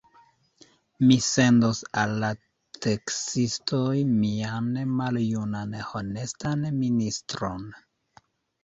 Mi sendos al la teksistoj mian maljunan honestan ministron!